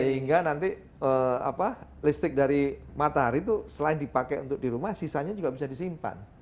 sehingga nanti listrik dari matahari itu selain dipakai untuk di rumah sisanya juga bisa disimpan